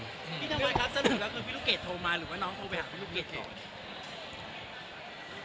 พี่ตำรวจครับสรุปแล้วคือพี่ลูกเกดโทรมาหรือว่าน้องโทรไปหาพี่ลูกเมียก่อน